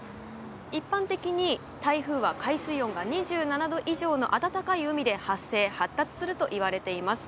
一般的に台風は海水温が２７度以上の暖かい海で発生・発達するといわれています。